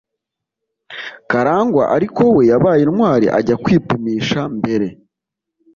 karangwa ariko we yabaye intwari ajya kwipimisha mbere.